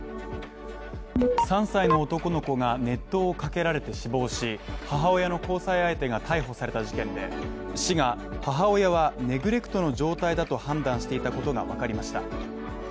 ３歳の男の子が熱湯をかけられて死亡し、母親の交際相手が逮捕された事件で、市は母親はネグレクトの状態だと判断していたことがわかりました。